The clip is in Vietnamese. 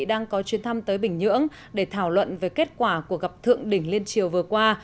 đang có chuyến thăm tới bình nhưỡng để thảo luận về kết quả của gặp thượng đỉnh liên triều vừa qua